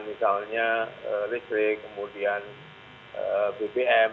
misalnya listrik kemudian bpm